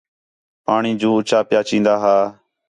پاݨی جو اُچّا پِیا چین٘دا ہا